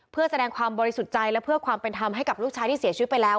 เพื่อแสดงความบริสุทธิ์ใจและเพื่อความเป็นธรรมให้กับลูกชายที่เสียชีวิตไปแล้ว